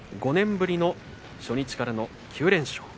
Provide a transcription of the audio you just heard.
５年ぶりの初日からの９連勝。